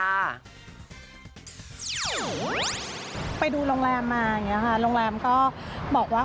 ไปดูโรงแรมมาอย่างนี้ค่ะโรงแรมก็บอกว่า